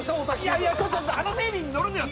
いやいやちょっとあのフェリーに乗るのよ